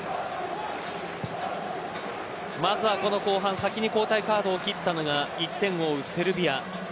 まずはこの後半先に交代カードを切ったのが１点を追うセルビア。